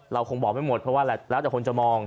คงบอกไม่หมดเพราะว่าแล้วแต่คนจะมอง